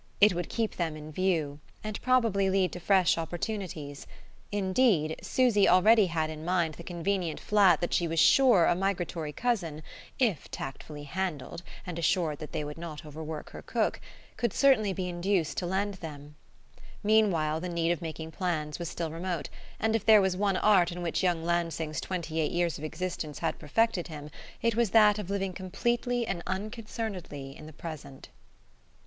It would keep them in view, and probably lead to fresh opportunities; indeed, Susy already had in mind the convenient flat that she was sure a migratory cousin (if tactfully handled, and assured that they would not overwork her cook) could certainly be induced to lend them. Meanwhile the need of making plans was still remote; and if there was one art in which young Lansing's twenty eight years of existence had perfected him it was that of living completely and unconcernedly in the present....